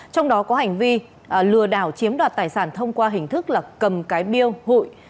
trong đó có hành vi lừa đảo chiếm đoạt tài sản thông qua hình thức là cầm cái biêu hụi